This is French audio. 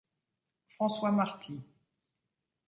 François Marty.